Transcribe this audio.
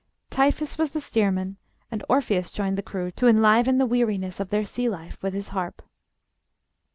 Tiphys was the steersman, and Orpheus joined the crew to enliven the weariness of their sea life with his harp.